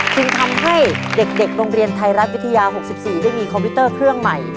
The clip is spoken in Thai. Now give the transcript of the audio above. จึงทำให้เด็กโรงเรียนไทยรัฐวิทยา๖๔ได้มีคอมพิวเตอร์เครื่องใหม่